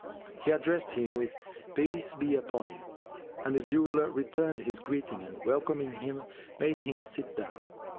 He addressed him with "Peace be upon you!" and the jeweller returned his greeting and welcoming him, made him sit down.